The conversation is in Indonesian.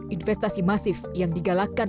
investasi masif yang digalakkan